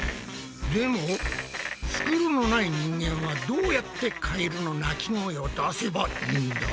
でもふくろのない人間はどうやってカエルの鳴き声を出せばいいんだ？